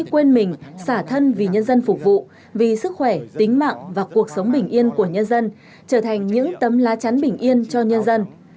quên mình xả thân vì nhân dân phục vụ vì sức khỏe tính mạng và cuộc sống bình yên của nhân dân trở thành những tấm lá chắn bình yên cho nhân dân